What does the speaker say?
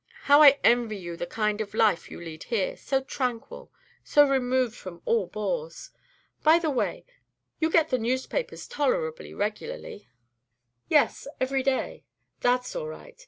How I envy you the kind of life you lead here, so tranquil, so removed from all bores! By the way, you get the newspapers tolerably regularly?" "Yes, every day." "That's all right.